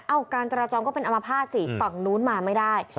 เอ้าการจราจรก็เป็นอัมพาตสิฝั่งนู้นมาไม่ได้